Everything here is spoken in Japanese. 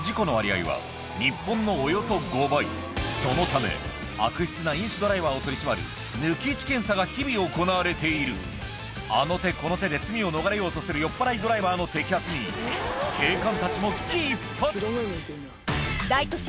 そのため悪質な飲酒ドライバーを取り締まる抜き打ち検査が日々行われているあの手この手で罪を逃れようとする酔っぱらいドライバーの摘発に警官たちも危機一髪大都市